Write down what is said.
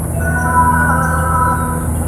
তুমি যা বলো।